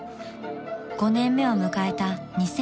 ［５年目を迎えた